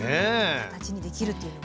形にできるというのはね。